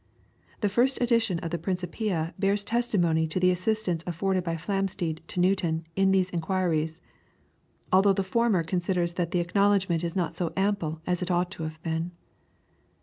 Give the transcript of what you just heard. The first edition of the 'Principia' bears testimony to the assistance afforded by Flamsteed to Newton in these inquiries; although the former considers that the acknowledgment is not so ample as it ought to have been."